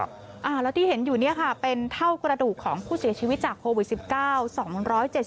แล้วที่เห็นอยู่เนี่ยค่ะเป็นเท่ากระดูกของผู้เสียชีวิตจากโควิด๑๙